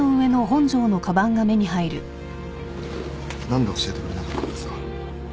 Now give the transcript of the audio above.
何で教えてくれなかったんですか？